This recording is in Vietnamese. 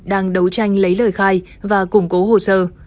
đang đấu tranh lấy lời khai và củng cố hồ sơ